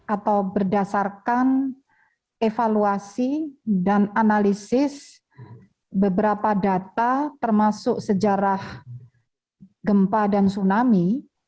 atau berdasarkan evaluasi dan analisis beberapa data termasuk sejarah gempa dan tsunami